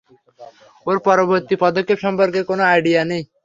ওর পরবর্তী পদক্ষেপ সম্পর্কে কোনো আইডিয়া নেই।